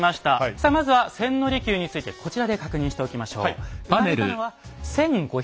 さあまずは千利休についてこちらで確認しておきましょう。